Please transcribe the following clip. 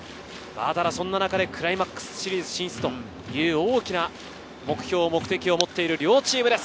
そんな中でクライマックスシーズ進出という大きな目標・目的を持っている両チームです。